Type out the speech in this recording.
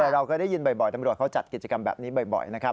เราก็ได้ยินบ่อยตำรวจเขาจัดกิจกรรมแบบนี้บ่อย